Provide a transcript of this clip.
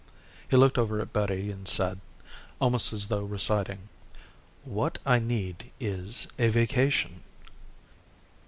He looked over at Betty and said, almost as though reciting, "What I need is a vacation."